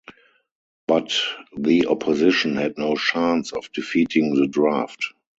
But the opposition had no chance of defeating the draft.